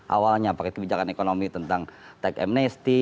awalnya pakai kebijakan ekonomi tentang tech amnesty